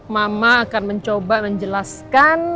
mama akan mencoba menjelaskan